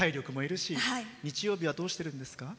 でも日曜日はいつも、どうしてるんですか？